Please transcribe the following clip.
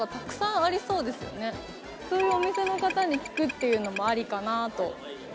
そういうお店の方に聞くっていうのもありかなと。